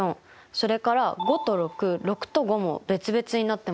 それから５と６６と５も別々になってますよね。